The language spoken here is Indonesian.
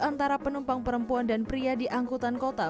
antara penumpang perempuan dan pria di angkutan kota